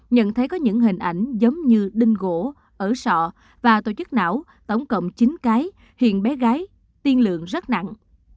nhận thấy có những hình ảnh giống như đinh gỗ ở sọ và tổ chức não tổng cộng chín cái hiện bé gái tiên lượng rất nặng